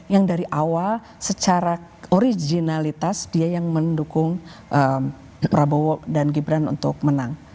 yang dari awal secara originalitas dia yang mendukung prabowo dan gibran untuk menang